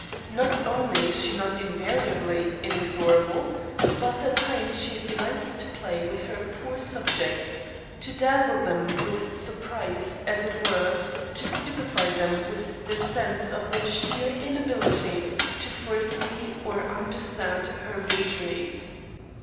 Not only is she not invariably inexorable, but at times she delights to play with her poor subjects, to dazzle them with surprise, as it were, to stupefy them with the sense of their sheer inability to foresee or understand her vagaries.